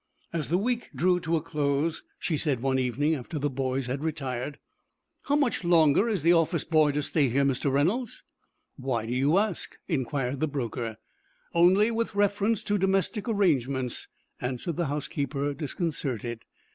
As the week drew to a close, she said, one evening after the boys had retired: "How much longer is the office boy to stay here, Mr. Reynolds?" "Why do you ask?" inquired the broker. "Only with reference to domestic arrangements," answered the housekeeper, disconcerted.